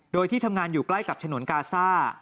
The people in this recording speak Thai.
โดยที่ทำงานอยู่ใกล้กับฉนวนกาซ่า